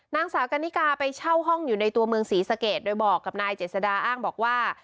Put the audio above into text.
นางสาวกันนิกาไปเช่าห้องอยู่ในตัวเมืองศรีสะเกดโดยบอกกับนายเจษดาอ้างบอกว่า